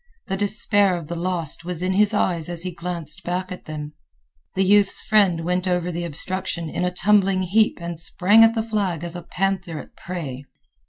The despair of the lost was in his eyes as he glanced back at them. The youth's friend went over the obstruction in a tumbling heap and sprang at the flag as a panther at prey.